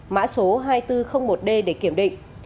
mã số hai nghìn bốn trăm linh một d để kiểm định